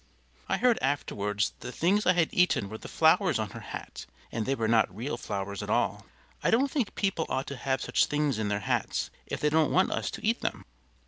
I heard afterwards that the things I had eaten were the flowers on her hat, and they were not real flowers at all. I don't think people ought to have such things in their hats if they don't want us to eat them.